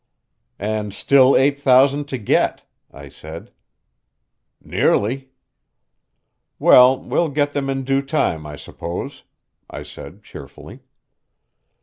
"And still eight thousand to get," I said. "Nearly." "Well, we'll get them in due time, I suppose," I said cheerfully.